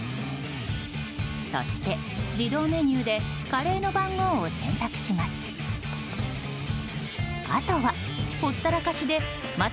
そして自動メニューでカレーの番号を選択します。